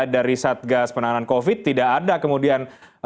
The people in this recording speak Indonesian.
dari satgas penanganan covid tidak ada kemudian